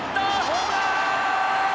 ホームラン！